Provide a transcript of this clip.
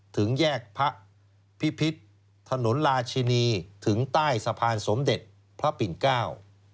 ถึงแยกพระพิพิษถนนราชินีถึงใต้สะพานสมเด็จพระปิ่นเก้า